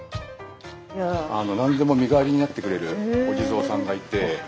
何でも身代わりになってくれるお地蔵さんがいて。